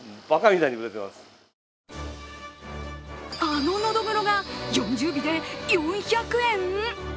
あの、のどぐろが４０尾で４００円？